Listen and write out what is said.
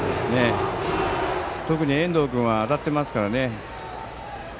特に遠藤君は当たっていますから。